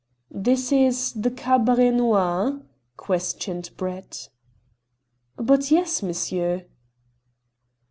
"This is the Cabaret Noir?" questioned Brett. "But yes, monsieur."